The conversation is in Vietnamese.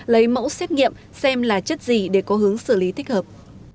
lấy mẫu xét nghiệm xem là chất gì để có hướng xử lý thích hợp